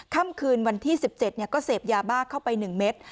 ค่ำคืนวันที่๑๗ก็เสพยาบ้าเข้าไป๑เม็ด